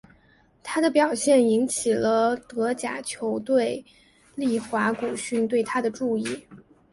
他的表现引起了德甲球队利华古逊对他的注意。